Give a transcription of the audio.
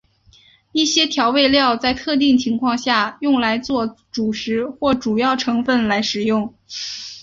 一些调味料在特定情况下用来作主食或主要成分来食用。